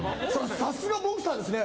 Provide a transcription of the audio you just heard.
さすがボクサーですね。